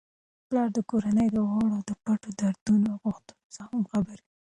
پلار د کورنی د غړو د پټو دردونو او غوښتنو څخه هم خبر وي.